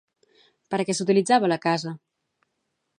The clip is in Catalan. Per a què s'utilitzava la casa?